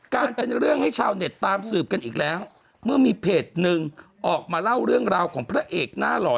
การเป็นเรื่องให้ชาวเน็ตตามสืบกันอีกแล้วเมื่อมีเพจหนึ่งออกมาเล่าเรื่องราวของพระเอกหน้าหล่อ